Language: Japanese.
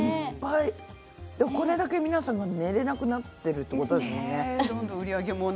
これだけ皆さんが寝れなくなっているということですよね。